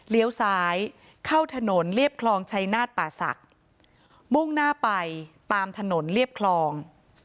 ซ้ายเข้าถนนเรียบคลองชัยนาฏป่าศักดิ์มุ่งหน้าไปตามถนนเรียบคลอง